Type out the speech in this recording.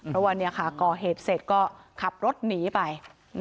เพราะว่าก่อเหตุเสร็จก็ขับรถหนีไป